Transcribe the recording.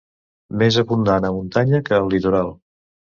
Més abundant a muntanya que al litoral.